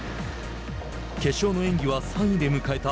決勝の演技は３位で迎えた